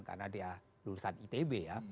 karena dia lulusan itb ya